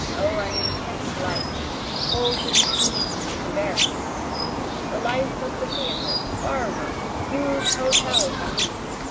O an intense life, full to repletion and varied! The life of the theatre, bar room, huge hotel, for me!